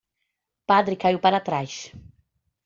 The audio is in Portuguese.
O padre caiu para trás.